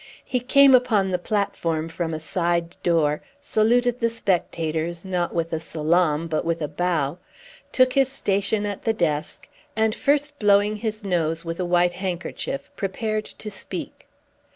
He came upon the platform from a side door, saluted the spectators, not with a salaam, but a bow, took his station at the desk, and first blowing his nose with a white handkerchief, prepared to speak.